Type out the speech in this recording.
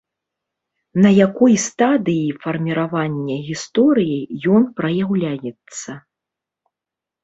На якой стадыі фарміравання гісторыі ён праяўляецца?